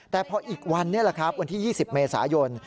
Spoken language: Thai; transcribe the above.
แต่พออีกวันวันที่๒๐เมษายน